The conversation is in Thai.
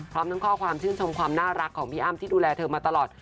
พร้อมทั้งข้อความชื่นชมความน่ารักของพี่อ้ำที่ดูแลเธอมาตลอด